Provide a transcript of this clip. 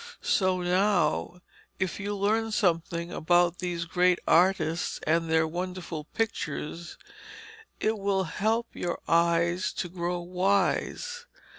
So now if you learn something about these great artists and their wonderful pictures, it will help your eyes to grow wise.